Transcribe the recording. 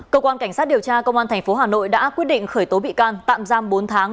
cơ quan cảnh sát điều tra công an tp hà nội đã quyết định khởi tố bị can tạm giam bốn tháng